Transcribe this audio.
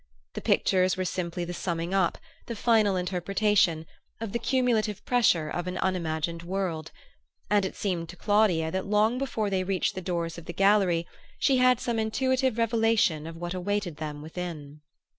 The pictures were simply the summing up, the final interpretation, of the cumulative pressure of an unimagined world; and it seemed to Claudia that long before they reached the doors of the gallery she had some intuitive revelation of what awaited them within.